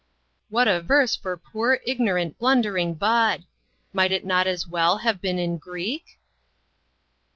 What a verse for poor, ignorant, blundering Bud ! Might it not as well have been in Greek